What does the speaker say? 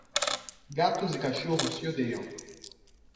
Gatos e cachorros se odeiam.